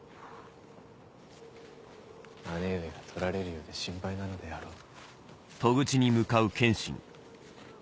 姉上が取られるようで心配なのであろう。